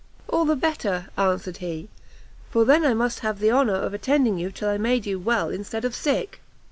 "All the better," answered he, "for then I must have the honour of attending you till I made you well instead of sick."